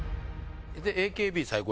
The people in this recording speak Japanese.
「ＡＫＢ最高。」